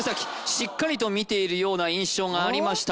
しっかりと見ているような印象がありました